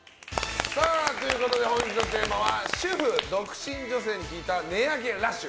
本日のテーマは主婦・独身女性に聞いた値上げラッシュ！